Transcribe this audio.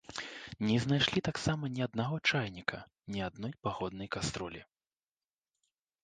Не знайшлі таксама ні аднаго чайніка, ні адной паходнай каструлі.